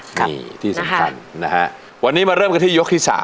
นี่ที่สำคัญนะฮะวันนี้มาเริ่มกันที่ยกที่๓